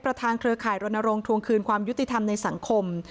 เครือข่ายรณรงค์ทวงคืนความยุติธรรมในสังคม